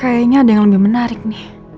kayaknya ada yang lebih menarik nih